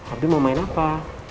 abi mau main apa